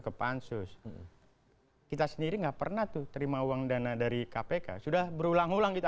ke pansus kita sendiri nggak pernah tuh terima uang dana dari kpk sudah berulang ulang kita